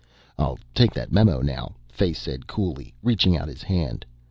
"I'll take that memo now," Fay said coolly, reaching out his hand.